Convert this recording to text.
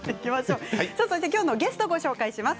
今日のゲストご紹介します。